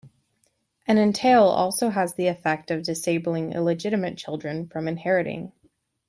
An entail also had the effect of disabling illegitimate children from inheriting.